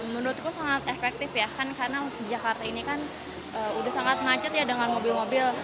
menurutku sangat efektif ya kan karena untuk jakarta ini kan udah sangat macet ya dengan mobil mobil